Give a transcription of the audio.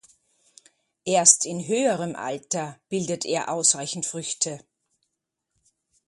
Erst in höherem Alter bildet er ausreichend Früchte.